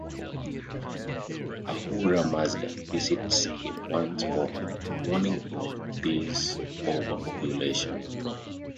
Ahura Mazda visits him once more, warning him of this overpopulation.